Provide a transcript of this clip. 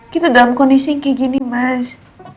kita dalam kondisi yang kayak gini mas